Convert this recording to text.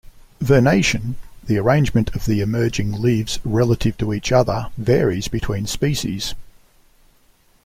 Vernation, the arrangement of the emerging leaves relative to each other, varies between species.